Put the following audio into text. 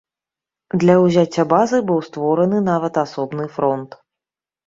Для ўзяцця базы быў створаны нават асобны фронт.